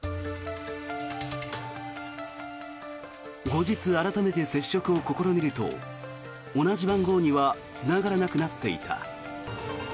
後日、改めて接触を試みると同じ番号にはつながらなくなっていた。